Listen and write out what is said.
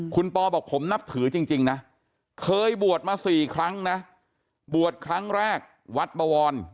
คุณปอบอกผมนับถือจริงนะเคยบวชมา๔ครั้งนะบวชครั้งแรกวัดบวร